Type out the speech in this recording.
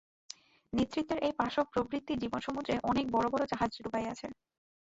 নেতৃত্বের এই পাশব প্রবৃত্তি জীবনসমুদ্রে অনেক বড় বড় জাহাজ ডুবাইয়াছে।